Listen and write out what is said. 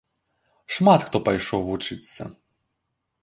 Шмат хто пайшоў вучыцца.